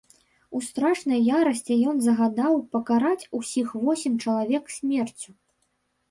У страшнай ярасці ён загадаў пакараць усіх восем чалавек смерцю.